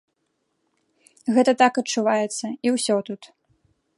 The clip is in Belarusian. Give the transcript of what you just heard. Гэта так адчуваецца, і ўсё тут.